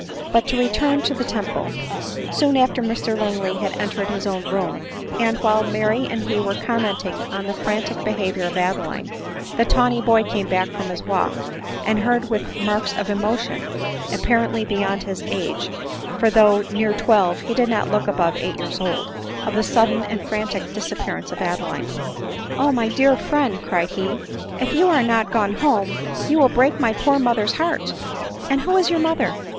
But to return to the Temple. Soon after Mr Lang ley had entered his own room, and while Mary and he were commenting on the frantic behavior of Adeline, the tawny boy came back from his walk, and heard with marks of emotion, apparently beyond his age, (for though near twelve he, did not look above eight years old,) of the sudden and frantic disappearance of Adeline. " Oh ! my dear friend, cried he, " if you are not gone home you will break my poor mother's heart !"" And who is your mother